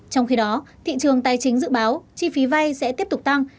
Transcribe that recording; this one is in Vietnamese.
trong khi đó thị trường tài chính dự báo chi phí vay sẽ tiếp tục tăng